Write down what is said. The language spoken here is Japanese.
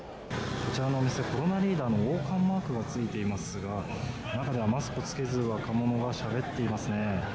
こちらのお店、コロナリーダーの王冠マークがついていますが、中ではマスクを着けず、若者がしゃべっていますね。